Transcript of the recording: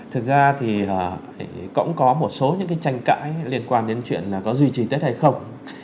thực ra thì cũng có một số những cái tranh cãi liên quan đến chuyện có duy trì tết hay không